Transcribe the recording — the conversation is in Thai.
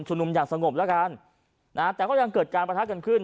นุมอย่างสงบแล้วกันนะฮะแต่ก็ยังเกิดการประทะกันขึ้น